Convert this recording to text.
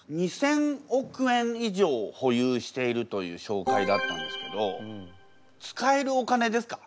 ２，０００億円以上保有しているというしょうかいだったんですけど使えるお金ですか？